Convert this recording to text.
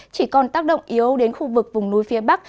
chỉ còn tác động yếu đến khu vực vùng núi phía bắc